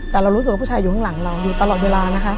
แต่เรารู้สึกว่าผู้ชายอยู่ข้างหลังเราอยู่ตลอดเวลานะคะ